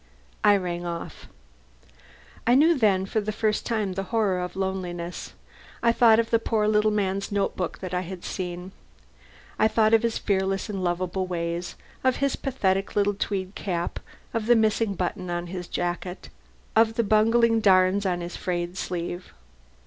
I rang off. I knew then for the first time the horror of loneliness. I thought of the poor little man's notebook that I had seen. I thought of his fearless and lovable ways of his pathetic little tweed cap, of the missing button of his jacket, of the bungling darns on his frayed sleeve.